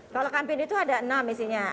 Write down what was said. kalau kambing itu ada enam isinya